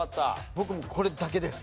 僕もこれだけです。